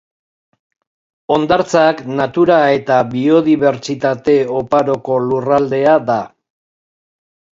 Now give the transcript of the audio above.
Hondartzak, natura eta biodibertsitate oparoko lurraldea da.